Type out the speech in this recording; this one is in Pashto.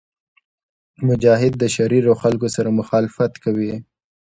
مجاهد د شریرو خلکو سره مخالفت کوي.